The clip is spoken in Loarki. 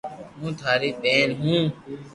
ھون ٽاري ٻين ھون